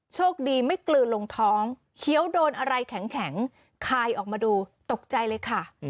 โชคดีไม่กลืนลงท้องเคี้ยวโดนอะไรแข็งคายออกมาดูตกใจเลยค่ะ